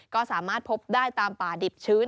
ก็สามารถพบได้ตามป่าดิบชื้น